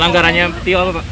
pelanggaran tio itu apa